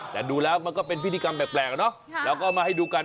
แต่ดูแล้วมันก็เป็นพิธีกรรมแปลกเนอะแล้วก็มาให้ดูกัน